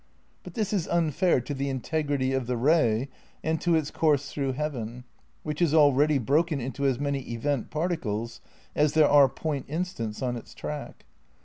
But this is unfair to the integrity of the ray and to its course through heaven, which is already broken into as many event particles as there are point instants on its track.